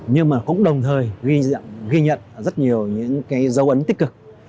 nhưng mà cũng đồng thời ghi nhận rất nhiều những dấu ấn tích cực